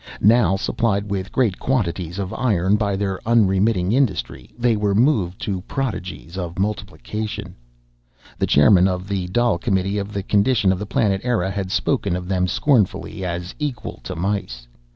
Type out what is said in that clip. Now, supplied with great quantities of iron by their unremitting industry, they were moved to prodigies of multiplication. The chairman of the Dail Committee on the Condition of the Planet Eire had spoken of them scornfully as equal to mice.